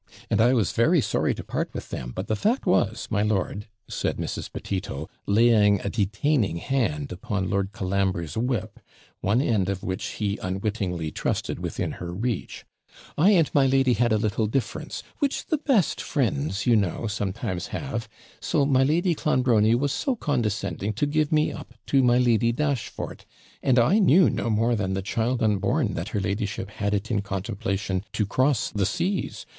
And I was very sorry to part with them; but the fact was, my lord,' said Mrs. Petito, laying a detaining hand upon Lord Colambre's whip, one end of which he unwittingly trusted within her reach, 'I and my lady had a little difference, which the best friends, you know, sometimes have; so my Lady Clonbrony was so condescending to give me up to my Lady Dashfort and I knew no more than the child unborn that her ladyship had it in contemplation to cross the seas.